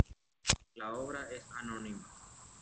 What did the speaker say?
La obra es anónima.